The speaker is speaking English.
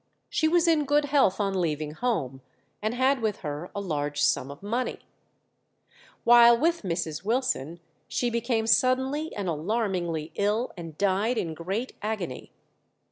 She was in good health on leaving home, and had with her a large sum of money. While with Mrs. Wilson she became suddenly and alarmingly ill, and died in great agony.